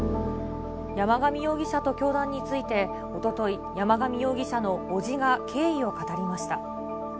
山上容疑者と教団について、おととい、山上容疑者の伯父が経緯を語りました。